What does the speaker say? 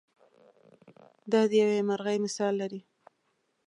دا د یوې مرغۍ مثال لري.